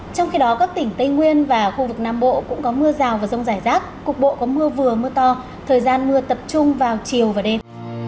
trong khi đó các tỉnh tây nguyên và khu vực nam bộ cũng có mưa rào và rông rải rác cục bộ có mưa vừa mưa to thời gian mưa tập trung vào chiều và đêm